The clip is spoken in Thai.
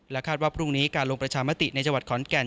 คาดว่าพรุ่งนี้การลงประชามติในจังหวัดขอนแก่น